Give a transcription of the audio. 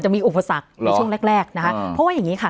มีอุปสรรคในช่วงแรกแรกนะคะเพราะว่าอย่างนี้ค่ะ